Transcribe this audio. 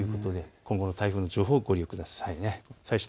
今後の最新の情報をご利用ください。